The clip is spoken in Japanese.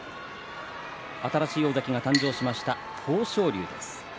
新しい大関が誕生しました豊昇龍です。